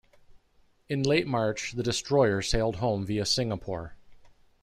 In late March, the destroyer sailed home via Singapore.